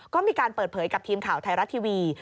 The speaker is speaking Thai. ก็มีการเปิดเผยกับทีมข่าวไทยรัฐทีวี